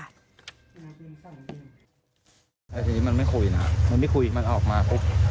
อันนี้มันไม่คุยนะมันไม่คุยมันออกมาปุ๊บ